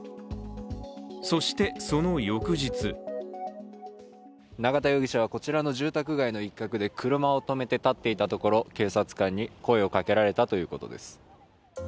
そして、その翌日永田容疑者はこちらの住宅街の一角で車を止めて立っていたところ警察官に声をかけられたということです。